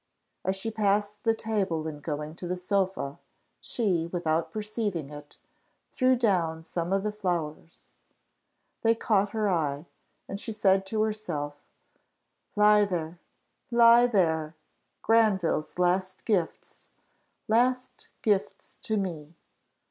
As she passed the table in going to the sofa, she, without perceiving it, threw down some of the flowers; they caught her eye, and she said to herself "Lie there! lie there! Granville's last gifts! last gifts to me!